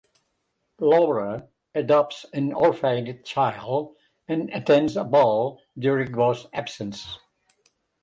Laura adopts an orphaned child and attends a ball during Voss's absence.